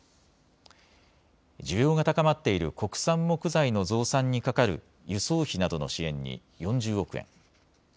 需要が高まっている国産木材の増産にかかる輸送費などの支援に４０億円。